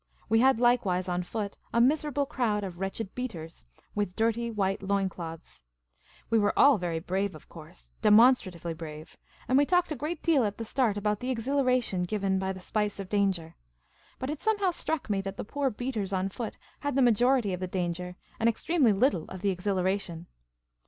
We had likewise, on foot, a miserable crowd of wretched beaters, with dirty white loin cloths. We were all very brav^e, of course — demonstra tively brave — and we talked a great deal at the start about the exhilaration given by " the spice of danger." But it somehow struck me that the poor beaters on foot had the majority of the danger and extremely little of the ex hilaration.